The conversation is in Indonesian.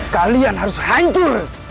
kalian harus hancur